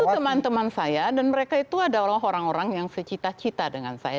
itu teman teman saya dan mereka itu adalah orang orang yang secita cita dengan saya